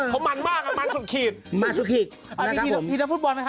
เขามันมากอ่ะมันสุดขีดมันสุดขีดนะครับผมอ่ามีทีนักฟุตบอลไหมฮะ